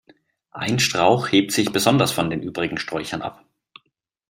Ein Strauch hebt sich besonders von den übrigen Sträuchern ab.